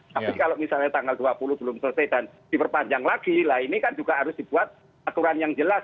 tapi kalau misalnya tanggal dua puluh belum selesai dan diperpanjang lagi lah ini kan juga harus dibuat aturan yang jelas